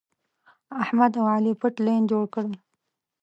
احمد او علي پټ لین جوړ کړی.